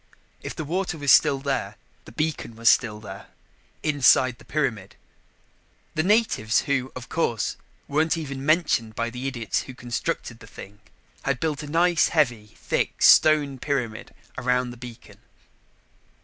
If the water was still there, the beacon was still there inside the pyramid. The natives, who, of course, weren't even mentioned by the idiots who constructed the thing, had built a nice heavy, thick stone pyramid around the beacon.